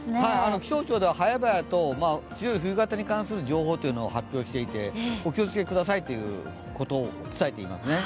気象庁では早々と強い冬型に関する情報を伝えていてお気をつけくださいということを伝えていますね。